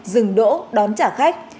dừng đỗ đón trả khách